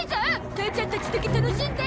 母ちゃんたちだけ楽しんで！